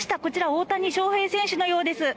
大谷翔平選手のようです。